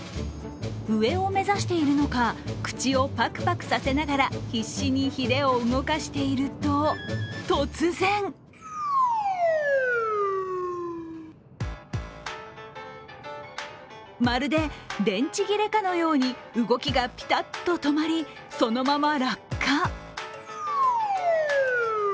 上を目指しているのか口をパクパクさせながら必死にひれを動かしていると、突然まるで、電池切れかのように、動きがピタッと止まりそのまま落下。